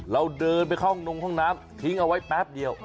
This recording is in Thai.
เราเดินไปเข้าห้องนงห้องน้ำทิ้งเอาไว้แป๊บเดียว